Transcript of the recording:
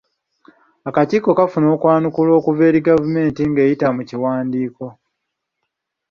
Akakiiko kaafuna okwanukulwa okuva eri ggavumenti ng’eyita mu kiwandiiko.